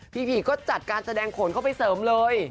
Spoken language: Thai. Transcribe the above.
ผีก็จัดการแสดงขนเข้าไปเสริมเลย